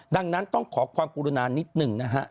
ดังนั้นต้องขอความกรุณานิดหนึ่งนะฮะ